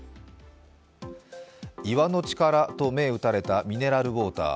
岩の力と銘打たれたミネラルウォーター。